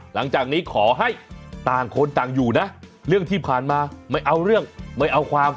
หลังจากนี้ขอให้ต่างคนต่างอยู่นะเรื่องที่ผ่านมาไม่เอาเรื่องไม่เอาความ